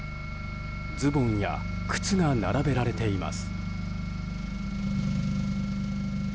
ズボンや靴が並べられています。